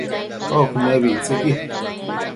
oc nëbictsëqui